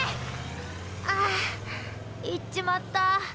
ああ行っちまった。